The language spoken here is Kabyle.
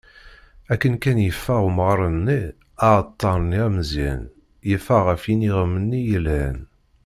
Akken kan yeffeγ umγar-nni, aεeṭṭar-nni ameẓyan, yemmeγ γef yiniγem-nni yelhan.